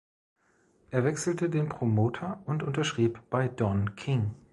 Er wechselte den Promoter und unterschrieb bei Don King.